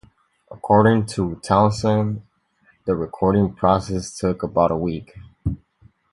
According to Townsend, the recording process took "about a week".